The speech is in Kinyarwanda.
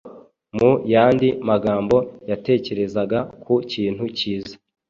Mu yandi magambo, yatekerezaga ku kintu cyiza